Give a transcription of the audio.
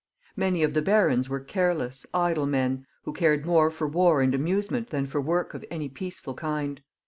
Many of the barons were careless> idle men, who cared more for war and amusement than for work of any peaceful kind.